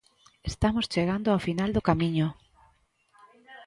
Estamos chegando ao final do camiño.